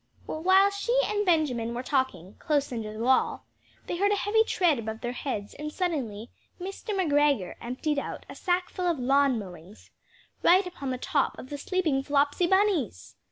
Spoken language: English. While she and Benjamin were talking, close under the wall, they heard a heavy tread above their heads; and suddenly Mr. McGregor emptied out a sackful of lawn mowings right upon the top of the sleeping Flopsy Bunnies!